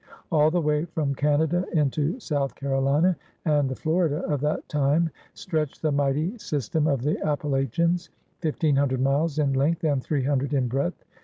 All the way from Canada into South Carolina and the Florida of that time stretched the mighty sys ALEXANDER SPOTSWOOD «25 tern of the Appalachians, fifteen hundred miles in length and three hundred in breadth.